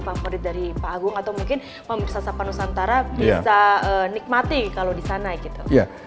favorit dari pak agung atau mungkin pemirsa sapa nusantara bisa nikmati kalau di sana gitu